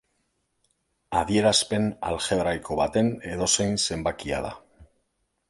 Adierazpen aljebraiko baten edozein zenbakia da.